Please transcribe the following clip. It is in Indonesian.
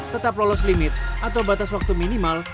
tetap lolos limit atau batas waktu minimal